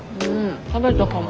食べたかも。